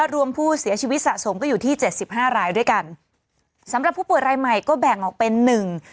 รวมผู้เสียชีวิตสะสมก็อยู่ที่เจ็ดสิบห้ารายด้วยกันสำหรับผู้ป่วยรายใหม่ก็แบ่งออกเป็นหนึ่ง